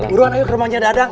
uruan ayo ke rumahnya dadang